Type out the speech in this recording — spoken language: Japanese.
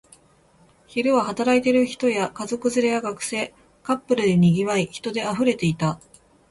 昼は働いている人や、家族連れや学生、カップルで賑わい、人で溢れていた